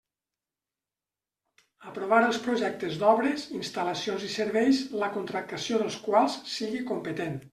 Aprovar els projectes d'obres, instal·lacions i serveis la contractació dels quals sigui competent.